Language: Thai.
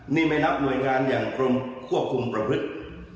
นี่ไม่นับหน่วยงานอย่างกรมควบคุมประพฤติ